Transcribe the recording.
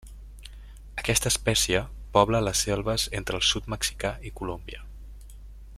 Aquesta espècie pobla les selves entre el sud mexicà i Colòmbia.